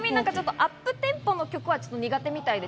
アップテンポの曲は苦手みたいです。